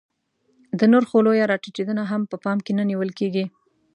د نرخو لویه راټیټېدنه هم په پام کې نه نیول کېږي